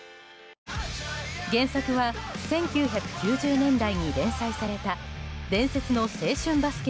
原作は、１９９０年代に連載された伝説の青春バスケ